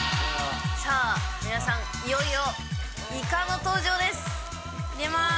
さあ、皆さん、いよいよイカの登場です。